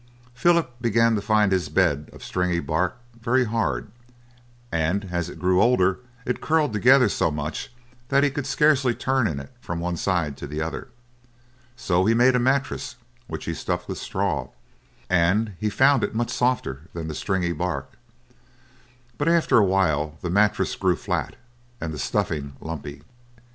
Philip began to find his bed of stringy bark very hard, and as it grew older it curled together so much that he could scarcely turn in it from one side to the other. So he made a mattress which he stuffed with straw, and he found it much softer than the stringy bark. But after a while the mattress grew flat, and the stuffing lumpy.